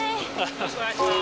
よろしくお願いします！